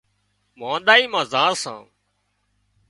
مانۮائي مان زان سان